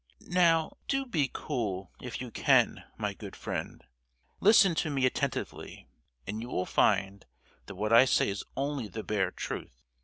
"Now, do be cool, if you can, my good friend. Listen to me attentively, and you will find that what I say is only the bare truth.